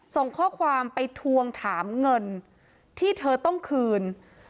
ส่งข้อความไปทวงถามเงินที่เธอต้องคืน